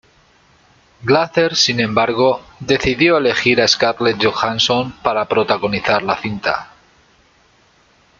Glazer, sin embargo, decidió elegir a Scarlett Johansson para protagonizar la cinta.